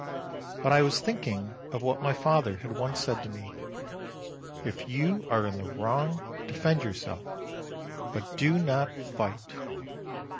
But I was thinking of what my father had once said to me, "If you are in the wrong, defend yourself, but do not fight."